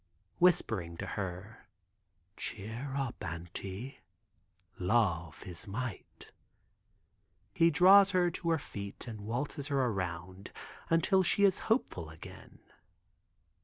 Whispering to her, "Cheer up, Auntie, love is might," he draws her to her feet and waltzes her around until she is hopeful again.